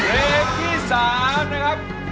เพลงที่๓นะครับ